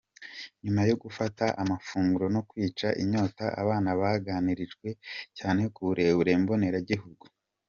Nyuma yo gufata amafunguro no kwica inyota abana baganirijwe cyane ku burere mbonera gihugu.